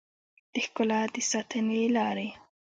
د ښکلا د ساتنې لارې